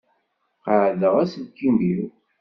Qaɛdeɣ aselkim-iw.